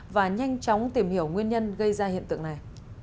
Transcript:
và nhanh chóng tìm hiểu nguyên nhân gây ra hiện tượng này